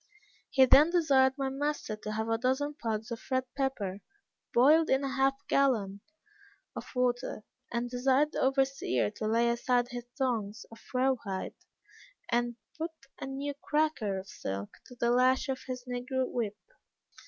He then desired my master to have a dozen pods of red pepper boiled in half a gallon of water, and desired the overseer to lay aside his thongs of raw hide, and put a new cracker of silk, to the lash of his negro whip.